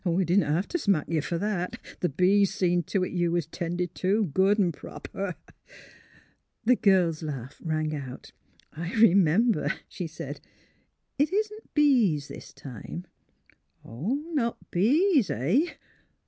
We didn't hev t' smack ye fer that. The bees seen to it you was 'tended to, good an*^ proper." The girl's laugh rang out. " I remember," she said. '* It isn't bees this time. ''" Not bees — eh?